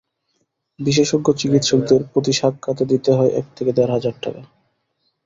বিশেষজ্ঞ চিকিৎসকের প্রতি সাক্ষাতে দিতে হয় এক থেকে দেড় হাজার টাকা।